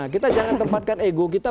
kita jangan tempatkan ego kita